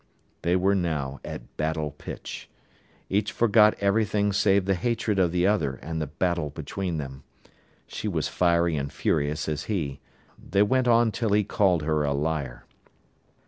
They were now at battle pitch. Each forgot everything save the hatred of the other and the battle between them. She was fiery and furious as he. They went on till he called her a liar.